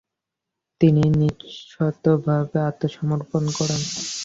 তিনি নিঃশর্তভাবে আত্মসমর্পণ করেন।